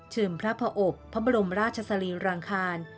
พระผอบพระบรมราชสรีรังคาร